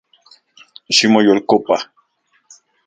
Ximoyolkopa